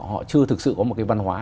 họ chưa thực sự có một cái văn hóa